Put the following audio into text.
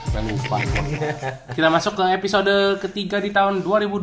kita masuk ke episode ketiga di tahun dua ribu dua puluh